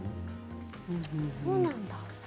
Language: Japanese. そうなんだ。